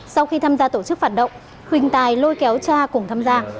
sau khi tham gia tổ chức phản động huỳnh tài lôi kéo cha cùng tham gia